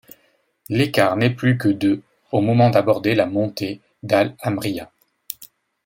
L'écart n'est plus que de au moment d'aborder la montée d'Al Hamriya.